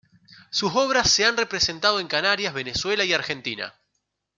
Sus obras se han representado en Canarias, Venezuela y Argentina.